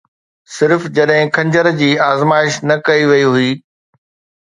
صرف جڏهن خنجر جي آزمائش نه ڪئي وئي هئي